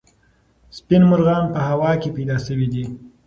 سپین مرغان په هوا کې پیدا سوي دي.